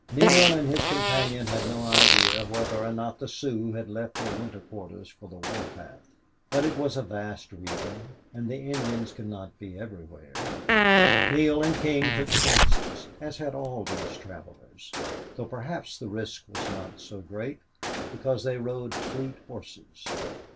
Neale and his companion had no idea whether or not the Sioux had left their winter quarters for the war path. But it was a vast region, and the Indians could not be everywhere. Neale and King took chances, as had all these travelers, though perhaps the risk was not so great, because they rode fleet horses.